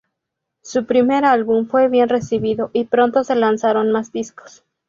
Su primer álbum fue bien recibido y pronto se lanzaron más discos.